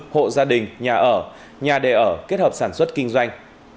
hộ gia đình nhà ở nhà đề ở kết hợp sản xuất kinh doanh